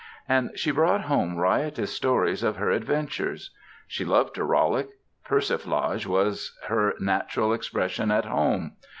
And she brought home riotous stories of her adventures. She loved to rollick; persiflage was her natural expression at home.